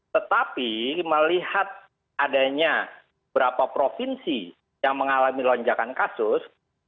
tetapi melihat adanya berapa provinsi yang mengalami lonjakan kasus